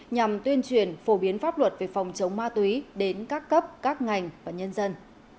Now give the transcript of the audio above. nhằm tuyên truyền phổ biến pháp luật về phòng chống ma túy đến các cấp các ngành và nhân dân